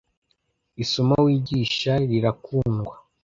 isomo wigisha rira kundwa .